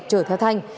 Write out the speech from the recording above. trở theo thanh